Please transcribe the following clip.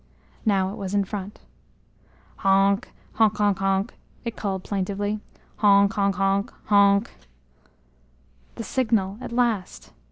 Now it was in front. "Honk! Hon on onk!" it called plaintively. "Hon on onk! Honk!" The signal! At last!